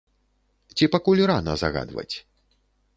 Ці пакуль рана загадваць?